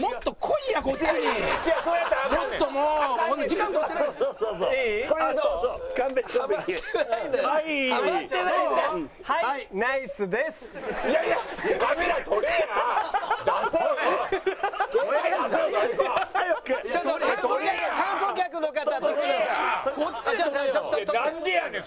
いやなんでやねん！